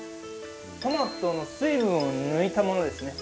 トマトの水分を抜いたものですね。